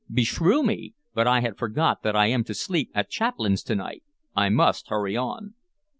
"Beshrew me! but I had forgot that I am to sleep at Chaplain's to night. I must hurry on."